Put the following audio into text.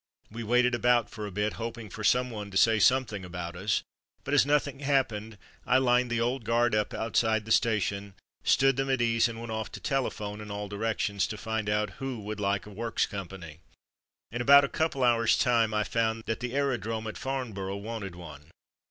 We waited about for a bit, hoping for someone to say something about us, but as nothing happened I lined the Old Guard up outside the station, stood them at ease, and went off to telephone in all directions to find out who would like a Works company. In about a couple of hours' time I found that the Aero drome at Farnborough wanted one.